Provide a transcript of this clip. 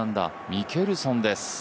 ミケルソンです。